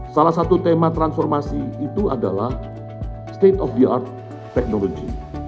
salah satu tema transformasi itu adalah state of the art technology